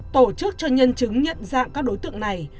tổ chức cho nhân chứng nhận dạng các đối tượng này